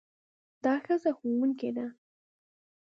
دا ښځه ښوونکې ده.